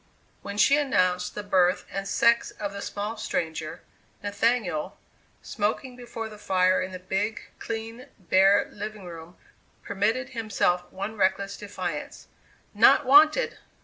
When she announced the birth and sex of the small stranger, Nathaniel, smoking before the fire in the big, clean, bare, living room, permitted himself one reckless defiance: "Not wanted!"